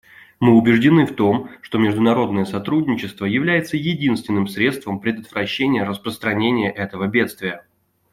Мы убеждены в том, что международное сотрудничество является единственным средством предотвращения распространения этого бедствия.